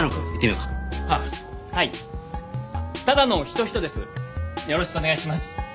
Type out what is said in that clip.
よろしくお願いします。